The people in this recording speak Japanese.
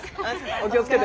お気を付けて。